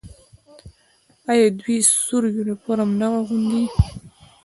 آیا دوی سور یونیفورم نه اغوندي؟